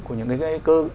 của những cái cơ